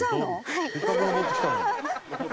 はい。